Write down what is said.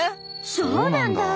そうなんだ。